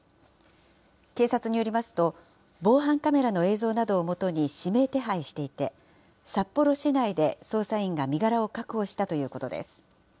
警察によりますと、防犯カメラの映像などをもとに指名手配していて、札幌市内で捜査員が身柄を確保したということです。